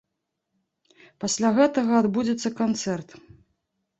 Пасля гэтага адбудзецца канцэрт.